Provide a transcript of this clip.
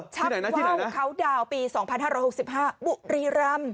เฝ้าเขาดาวปี๒๕๖๕บุรีรำ